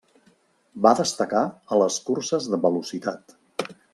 Va destacar a les curses de velocitat.